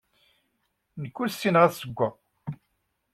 Nekk ur ssineɣ ad ssewweɣ.